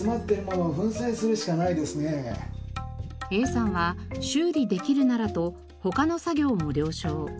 Ａさんは修理できるならと他の作業も了承。